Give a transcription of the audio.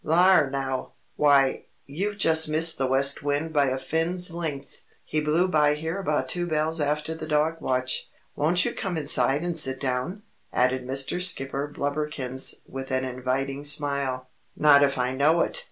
"Lar, now! Why, you've just missed the West Wind by a fin's length! He blew by here about two bells after the dog watch. Won't you come inside and sit down?" added Mr. Skipper Blubberkins, with an inviting smile. "Not if I know it!"